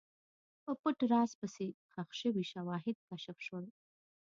په پټ راز پسې، ښخ شوي شواهد کشف شول.